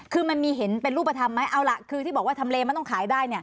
คือมันมีเห็นเป็นรูปธรรมไหมเอาล่ะคือที่บอกว่าทำเลมันต้องขายได้เนี่ย